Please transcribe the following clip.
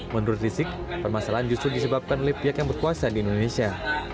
menurut rizik permasalahan justru disebabkan oleh pihak yang berkuasa di indonesia